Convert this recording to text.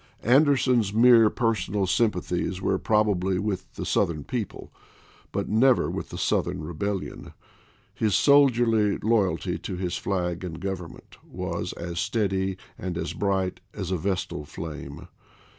Anderson's mere personal sympathies were probably with the South ern people, but never with the Southern rebellion ; his soldierly loyalty to his flag and government was as steady and as bright as a vestal flame.